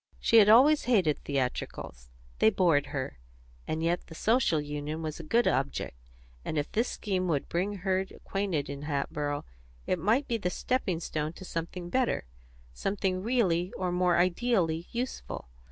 She had always hated theatricals; they bored her; and yet the Social Union was a good object, and if this scheme would bring her acquainted in Hatboro' it might be the stepping stone to something better, something really or more ideally useful.